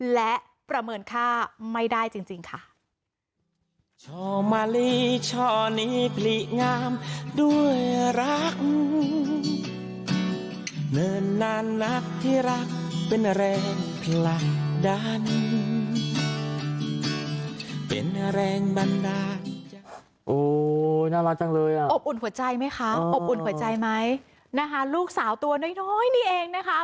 และประเมินค่าไม่ได้จริงค่ะ